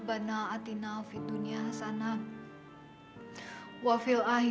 aduh sakit ya allah